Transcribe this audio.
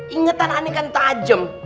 ingatan aneh kan tajem